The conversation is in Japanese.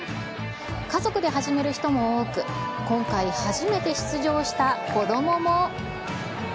家族で始める人も多く、今回初めて出場した子どもも。